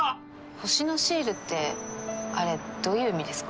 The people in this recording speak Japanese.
星のシールってあれどういう意味ですか？